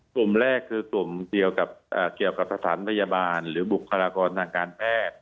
กลุ่มแรกคือกลุ่มเกี่ยวกับสถานพยาบาลหรือบุคลากรทางการแพทย์